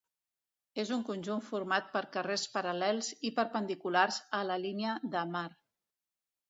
És un conjunt format per carrers paral·lels i perpendiculars a la línia de mar.